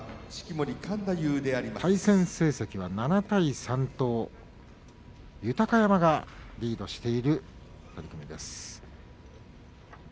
対戦成績は７対３と豊山がリードしている取組です。